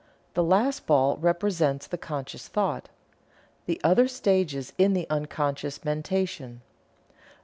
The last ball represents the conscious thought the other stages in the unconscious mentation.